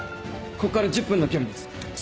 ここから１０分の距離です。